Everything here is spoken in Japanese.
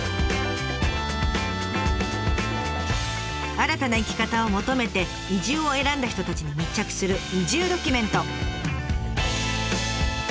新たな生き方を求めて移住を選んだ人たちに密着する移住ドキュメント。